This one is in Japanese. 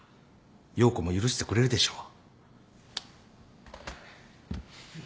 洋子も許してくれるでしょう。